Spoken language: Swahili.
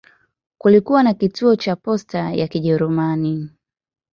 Kulikuwa na kituo cha posta ya Kijerumani.